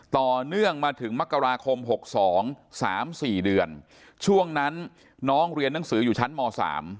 ต่อเนื่องมาถึงมกราคม๖๒๓๔เดือนช่วงนั้นน้องเรียนหนังสืออยู่ชั้นม๓